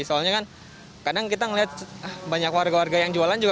soalnya kan kadang kita melihat banyak warga warga yang jualan juga